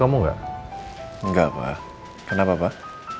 enggak pak kenapa pak